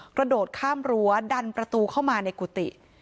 กระโดดข้ามรั้วดันประตูเข้ามาในกุฏิ